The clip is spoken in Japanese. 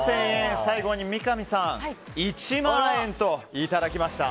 最後に三上さん、１万円といただきました。